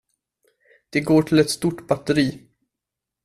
De går till ett stort batteri.